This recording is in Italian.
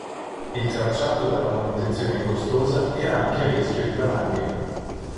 Il tracciato, dalla manutenzione costosa era anche a rischio di valanghe.